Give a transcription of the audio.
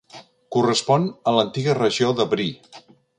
Correspon a l'antiga regió de Brie.